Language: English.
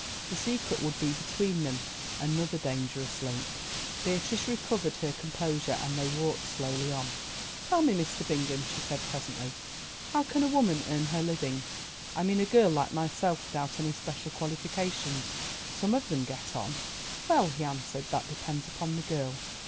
The secret would be between them—another dangerous link. Beatrice recovered her composure and they walked slowly on. "Tell me, Mr. Bingham," she said presently, "how can a woman earn her living—I mean a girl like myself without any special qualifications? Some of them get on." "Well," he answered, "that depends upon the girl.